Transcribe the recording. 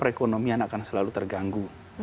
ekonomi akan selalu terganggu